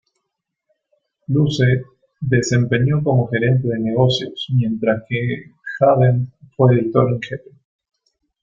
Luce desempeñó como gerente de negocios, mientras que Hadden fue editor en jefe.